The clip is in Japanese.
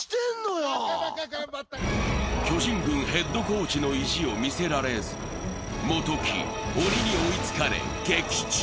巨人軍ヘッドコーチの意地を見せられず、元木、鬼に追いつかれ、撃沈。